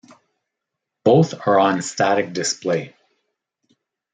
Both are on static display.